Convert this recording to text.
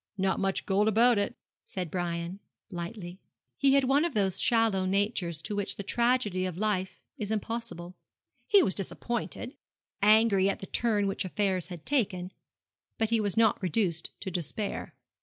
'Not much gold about it,' said Brian, lightly. He had one of those shallow natures to which the tragedy of life is impossible. He was disappointed angry at the turn which affairs had taken; but he was not reduced to despair.